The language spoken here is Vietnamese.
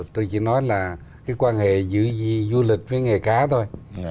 tôi chỉ nói là cái quan hệ giữa du lịch với nghề cá thôi